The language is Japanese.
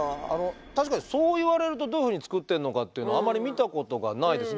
確かにそう言われるとどういうふうにつくってんのかっていうのはあまり見たことがないです。